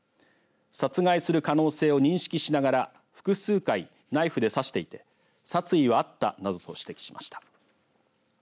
殺害する可能性を認識しながら複数回ナイフで刺していて殺意はあったなどと指摘しました。